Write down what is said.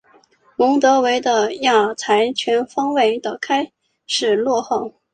蒙得维的亚才全方位的开始落后。